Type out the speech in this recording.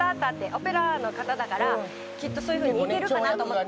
オペラの方だから、きっとそういうふうにいけるかなと思って。